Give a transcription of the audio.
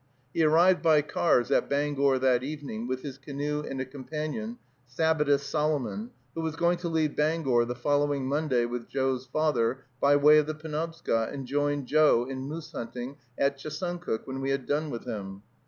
He arrived by cars at Bangor that evening, with his canoe and a companion, Sabattis Solomon, who was going to leave Bangor the following Monday with Joe's father, by way of the Penobscot, and join Joe in moose hunting at Chesuncook when we had done with him.